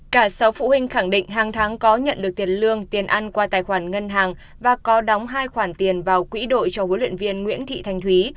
cả sáu phụ huynh khẳng định hàng tháng có nhận được tiền lương tiền ăn qua tài khoản ngân hàng và có đóng hai khoản tiền vào quỹ đội cho huấn luyện viên nguyễn thị thành thúy